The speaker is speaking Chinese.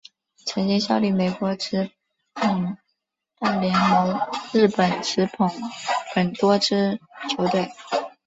曾经效力美国职棒大联盟日本职棒等多支球队。